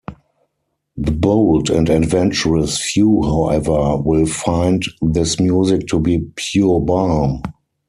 The bold and adventurous few however, will find this music to be pure balm.